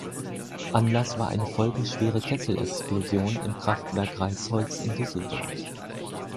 Anlass war eine folgenschwere Kesselexplosion im Kraftwerk Reisholz in Düsseldorf.